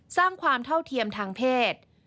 สร้างความเท่าเทียมทางเพศ